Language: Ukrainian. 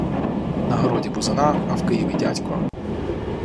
На городі бузина, а в Києві дядько.